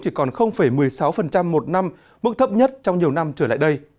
chỉ còn một mươi sáu một năm mức thấp nhất trong nhiều năm trở lại đây